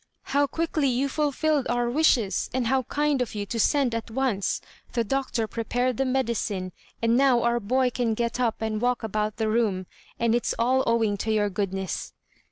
"How quickly you fulfilled our wishes, and how kind of you to send at once! The doctor prepared the medicine, and now our boy can get up and walk about the room; and it's all owing to your goodness."